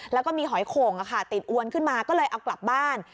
แล้วก็มีหอยโข่งติดอวนขึ้นมาก็เลยเอากลับบ้าน